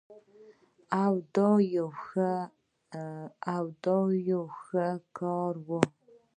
او دا يو ډير ښه کار وو